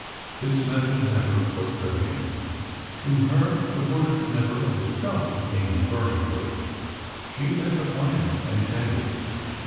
This method never was Lillian's. To her, the bush never of itself became a burning bush. She lit the fire and tended it.